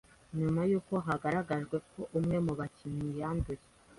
nyuma y’uko hagaragajwe ko umwe mu bakinnyi yanduye